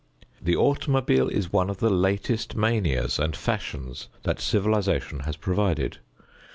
The automobile is one of the latest manias and fashions that civilization has provided.